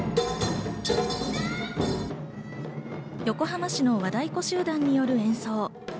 横浜市の和太鼓集団による演奏。